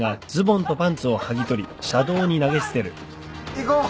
行こう。